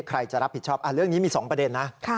ใครจะรับผิดชอบเรื่องนี้มี๒ประเด็นนะ